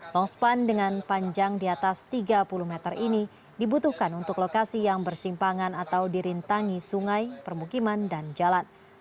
longspan dengan panjang di atas tiga puluh meter ini dibutuhkan untuk lokasi yang bersimpangan atau dirintangi sungai permukiman dan jalan